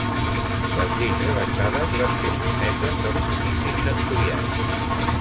Les lleis redactades van ser sotmeses als comicis centuriats.